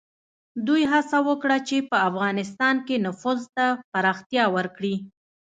دوی هڅه وکړه چې په افغانستان کې نفوذ ته پراختیا ورکړي.